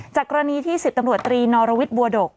กรณีที่๑๐ตำรวจตรีนอรวิทย์บัวดก